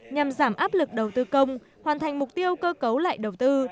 nhằm giảm áp lực đầu tư công hoàn thành mục tiêu cơ cấu lại đầu tư